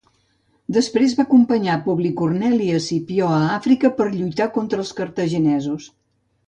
Després va acompanyar Publi Corneli Escipió a Àfrica per lluitar contra els cartaginesos.